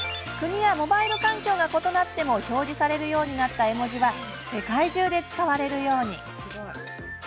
国やモバイル環境が異なっても表示されるようになり絵文字は、世界中で使われるように。